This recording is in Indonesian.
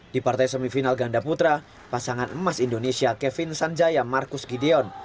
di partai semifinal ganda putra pasangan emas indonesia kevin sanjaya marcus gideon